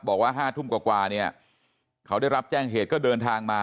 บอกว่า๕ทุ่มกว่าเนี่ยเขาได้รับแจ้งเหตุก็เดินทางมา